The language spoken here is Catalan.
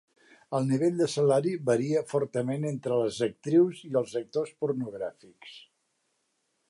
El nivell de salari varia fortament entre les actrius i els actors pornogràfics.